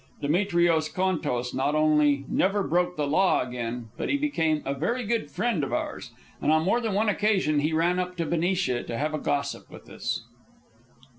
Demetrios Contos not only never broke the law again, but he became a very good friend of ours, and on more than one occasion he ran up to Benicia to have a gossip with us.